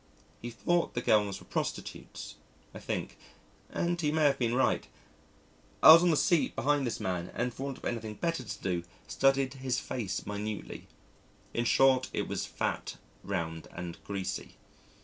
He thought the girls were prostitutes, I think, and he may have been right. I was on the seat behind this man and for want of anything better to do, studied his face minutely. In short, it was fat, round, and greasy.